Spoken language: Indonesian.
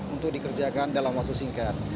untuk dikerjakan dalam waktu singkat